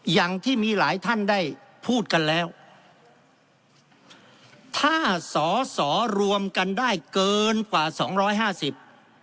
อย่างที่มีหลายท่านได้พูดกันแล้วถ้าสอสอรวมกันได้เกินกว่าสองร้อยห้าสิบ